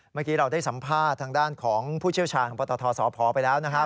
เมื่อกี้เราได้สัมภาษณ์ทางด้านของผู้เชี่ยวชาญปศภไปแล้ว